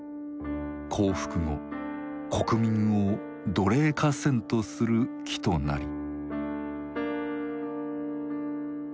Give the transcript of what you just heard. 「降伏後国民を奴隷化せんとする企図なり」。